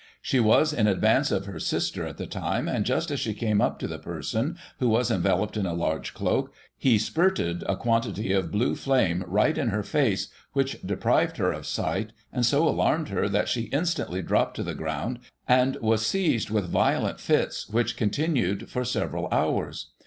She was in advance of her sister at the time, and just as she came up to the person, who was enveloped in a large cloak, he spirted a quantity of blue flame right in her face, which deprived her of sight, and so alarmed her, that she instantly dropped to the ground, and was seized with violent fits, which continued for several hours.